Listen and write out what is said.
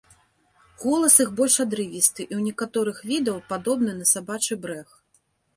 Голас іх больш адрывісты і ў некаторых відаў падобны на сабачы брэх.